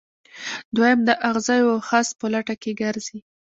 دویم د اغزیو او خس په لټه کې ګرځي.